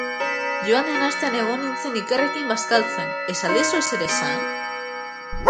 Joan den astean egon nintzen Ikerrekin bazkaltzen, ez al dizu ezer esan?